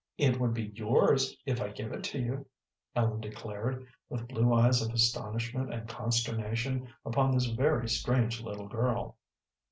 "It would be yours if I give it to you," Ellen declared, with blue eyes of astonishment and consternation upon this very strange little girl.